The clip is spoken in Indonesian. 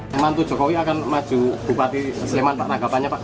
membantu jokowi akan maju bupati sleman pak tanggapannya pak